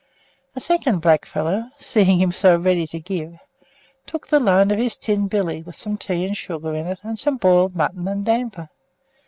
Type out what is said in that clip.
A second blackfellow, seeing him so ready to give, took the loan of his tin billy, with some tea and sugar in it, and some boiled mutton and damper.